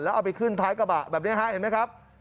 เอาไปขึ้นท้ายกระบะแบบนี้ฮะเห็นไหมครับ